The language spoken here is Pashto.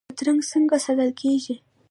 بادرنګ څنګه ساتل کیږي؟